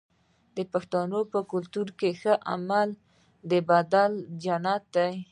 د پښتنو په کلتور کې د ښه عمل بدله جنت دی.